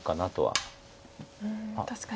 うん確かに。